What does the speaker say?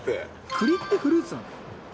栗ってフルーツなの？